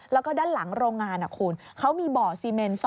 แล้วก็ด้านหลังโรงงานคุณเขามีบ่อซีเมน๒